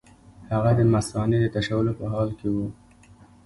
هغه د مثانې د تشولو په حال کې وو.